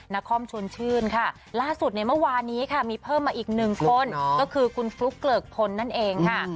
นครชวนชื่นค่ะล่าสุดในเมื่อวานนี้ค่ะมีเพิ่มมาอีกหนึ่งคนก็คือคุณฟลุ๊กเกลิกพลนั่นเองค่ะ